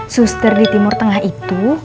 suster di timur tengah itu